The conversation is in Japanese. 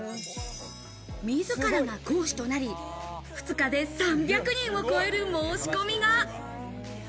自らが講師となり、２日で３００人を超える申し込みが。